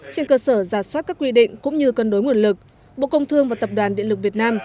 trên cơ sở giả soát các quy định cũng như cân đối nguồn lực bộ công thương và tập đoàn điện lực việt nam